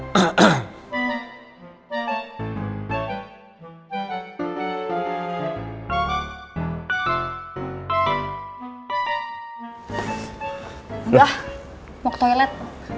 tunggu mau ke toilet